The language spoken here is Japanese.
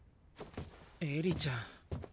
エリちゃん。